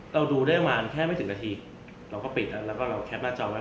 เราดูได้มาแค่ไม่ถึงนาทีเราก็ปิดแล้วก็เราจอไว้